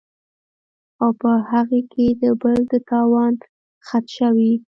او پۀ هغې کې د بل د تاوان خدشه وي